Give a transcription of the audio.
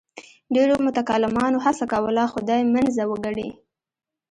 ډېرو متکلمانو هڅه کوله خدای منزه وګڼي.